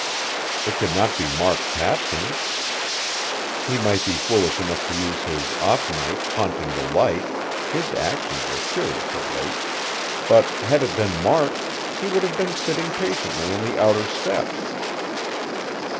It could not be Mark Tapkins. He might be foolish enough to use his "off night" haunting the Light his actions were curious of late but had it been Mark, he would have been sitting patiently on the outer steps.